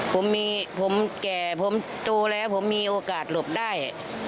ภูมิสบุรสิทธิ์